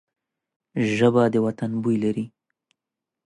ژبه د وطن بوی لري